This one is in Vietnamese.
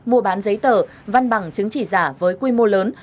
mua bán giấy tờ văn bằng chứng chỉ giả với quy mô lớn